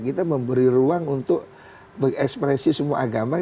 kita memberi ruang untuk mengekspresi semua agama